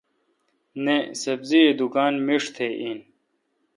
نہ ۔سبزی دکان میݭ تہ این۔